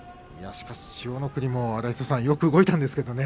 しかし千代の国もよく動いたんですがね。